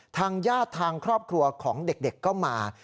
ทางญาติทางครอบครัวของเด็กก็มา